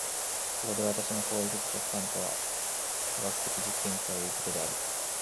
そこでは私の行為的直観とは科学的実験ということである。